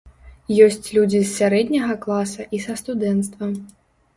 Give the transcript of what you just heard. Ёсць людзі з сярэдняга класа і са студэнцтва.